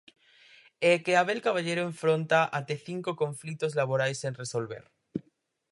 E é que Abel Caballero enfronta até cinco conflitos laborais sen resolver.